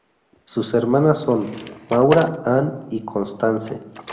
Sus hermanas son Maura, Ann y Constance.